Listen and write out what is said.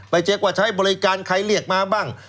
เช็คว่าใช้บริการใครเรียกมาบ้าง